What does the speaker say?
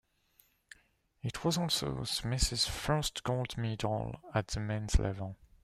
It was also Smyth's first gold medal at the men's level.